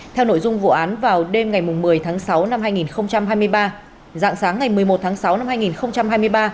theo nội dung vụ án vào đêm ngày một mươi tháng sáu năm hai nghìn hai mươi ba dạng sáng ngày một mươi một tháng sáu năm hai nghìn hai mươi ba